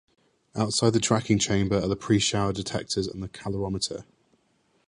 Outside the tracking chamber are the pre-shower detectors and the calorimeter.